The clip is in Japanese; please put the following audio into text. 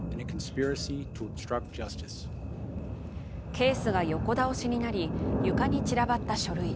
ケースが横倒しになり、床に散らばった書類。